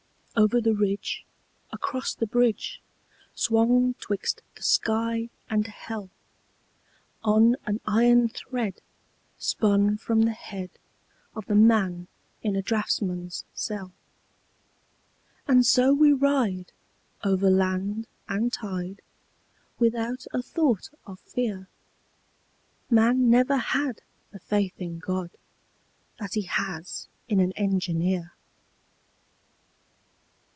Over the ridge, Across the bridge, Swung twixt the sky and hell, On an iron thread Spun from the head Of the man in a draughtsman's cell. And so we ride Over land and tide, Without a thought of fear _Man never had The faith in God That he has in an engineer!